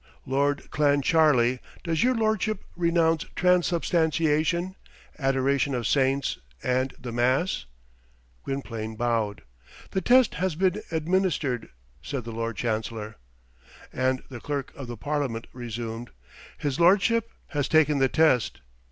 Lord Clancharlie, does your lordship renounce transubstantiation, adoration of saints, and the mass?" Gwynplaine bowed. "The test has been administered," said the Lord Chancellor. And the Clerk of the Parliament resumed, "His lordship has taken the test."